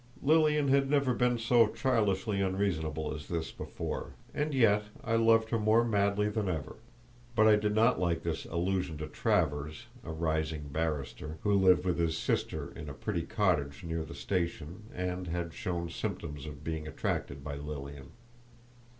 Lilian had never been so childishly unreasonable as this before, and yet I loved her more madly than ever; but I did not like this allusion to Travers, a rising barrister, who lived with his sister in a pretty cottage near the station, and had shown symptoms of being attracted by Lilian.